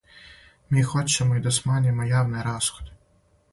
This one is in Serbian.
Ми хоћемо и да смањимо јавне расходе.